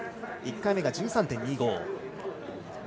１回目が１３．２５。